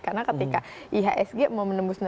karena ketika ihsg mau menembusnya